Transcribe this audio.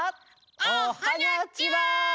おはにゃちは！